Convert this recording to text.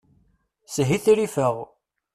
Shitrifeɣ.